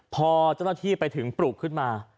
พอเจ้าหน้าที่ไปถึงปลุกขึ้นมา